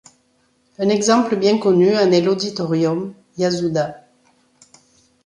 Un exemple bien connu en est l'auditorium Yasuda.